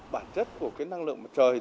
bản chất của cái năng lượng mặt trời